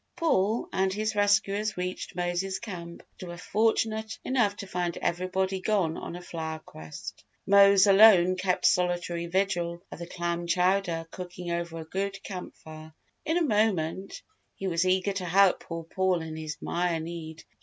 Paul and his rescuers reached Mose's camp and were fortunate enough to find everybody gone on a flower quest. Mose alone kept solitary vigil of the clam chowder cooking over a good camp fire. In a moment, he was eager to help poor Paul in his "mire" need.